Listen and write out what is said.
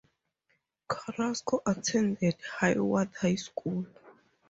Carrasco attended Hayward High School.